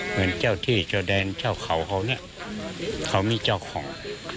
เหมือนเจ้าที่เจ้าแดนเจ้าเขาเขาเนี่ยเขามีเจ้าของ